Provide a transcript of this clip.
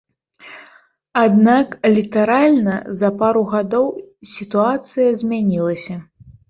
Аднак літаральна за пару гадоў сітуацыя змянілася.